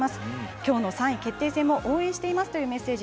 きょうの３位決定戦も応援していますというメッセージ。